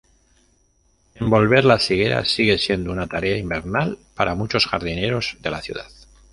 Envolver las higueras sigue siendo una tarea invernal para muchos jardineros de la ciudad.